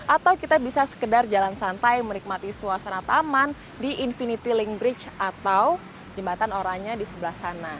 atau kita bisa sekedar jalan santai menikmati suasana taman di infinity link bridge atau jembatan oranya di sebelah sana